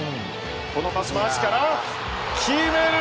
このパス回しから決める